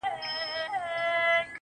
راباندي گرانه خو يې.